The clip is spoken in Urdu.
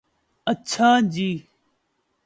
اچھا جی